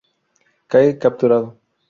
Cae capturado.